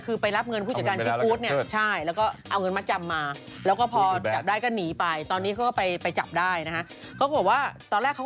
คือไปรับเงินผู้จัดการที่บุฏ